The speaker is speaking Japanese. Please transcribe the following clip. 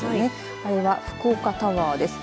あれは福岡タワーです。